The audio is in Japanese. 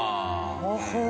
ほほう。